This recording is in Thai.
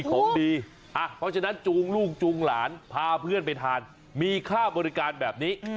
ของดีเพราะฉะนั้นจูงลูกจูงหลานพาเพื่อนไปทานมีค่าบริการแบบนี้